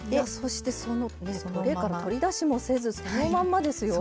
トレーから取り出しもせずそのまんまですよ。